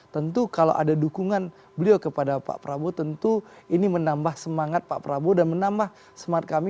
tentu kalau ada dukungan beliau kepada pak prabowo tentu ini menambah semangat pak prabowo dan menambah semangat kami